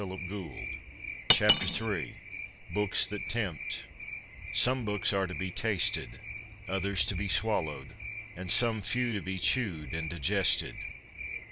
Ill BOOKS THAT TEMPT Ill BOOKS THAT TEMPT Some books are to be tasted, others to be swallowed, and some few to be chewed and digested.